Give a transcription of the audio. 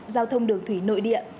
giao thông đường thủy nội địa